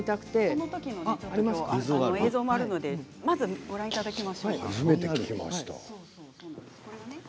その時の映像もあるのでご覧いただきましょう。